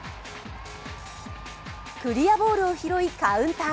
クリアボールを拾いカウンター。